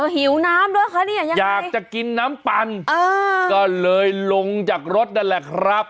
หิวน้ำด้วยคะเนี่ยอยากจะกินน้ำปั่นก็เลยลงจากรถนั่นแหละครับ